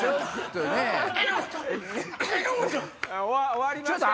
終わりましたよ。